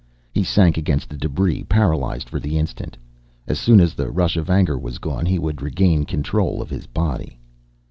He sank against the debris, paralyzed for the instant. As soon as the rush of anger was gone he would regain control of his body.